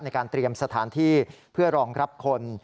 ในการเตรียมสถานที่เพื่อรองรับคน